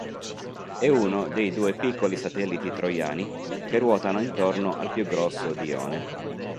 È uno dei due piccoli satelliti troiani che ruotano intorno al più grosso Dione.